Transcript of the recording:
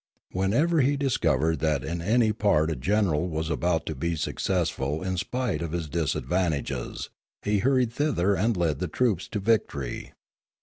Whenever he discovered that in any part a general was about to be successful in spite of his disadvantages, he hurried thither and led the troops to victory.